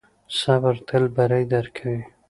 صبر تل بری درکوي.